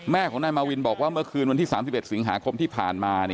แม่ของนายมาวินบอกว่าเมื่อคืนวันที่๓๑สิงหาคมที่ผ่านมา